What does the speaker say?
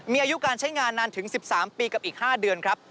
มีอายุการใช้งานนานถึง๑๓ปีกับอีก๕เดือนครับ